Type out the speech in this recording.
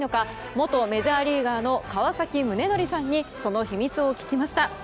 元メジャーリーガーの川崎宗則さんにその秘密を聞きました。